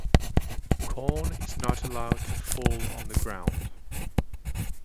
The corn is not allowed to fall on the ground.